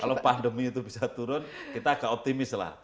kalau pandemi itu bisa turun kita agak optimis lah